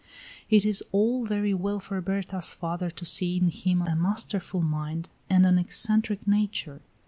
It is all very well for Berta's father to see in him a masterful mind and an eccentric nature.